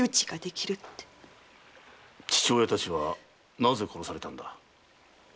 父親達はなぜ殺されたんだ？